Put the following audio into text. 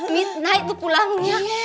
midnight tuh pulangnya